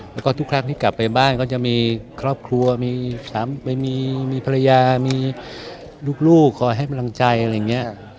แล้วก็ทุกครั้งที่กลับไปบ้านก็จะมีครอบครัวมีสามีมีภรรยามีลูกคอยให้กำลังใจอะไรอย่างนี้